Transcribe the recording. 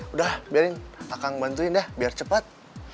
udah biarin akan bantuin deh biar cepat